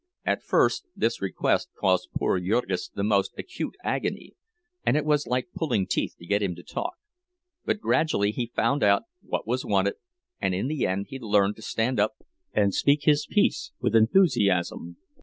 At first this request caused poor Jurgis the most acute agony, and it was like pulling teeth to get him to talk; but gradually he found out what was wanted, and in the end he learned to stand up and speak his piece with enthusiasm.